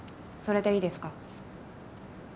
それでいいですか。